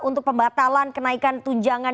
untuk pembatalan kenaikan tujangan